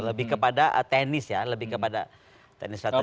lebih kepada teknis ya lebih kepada teknis strategi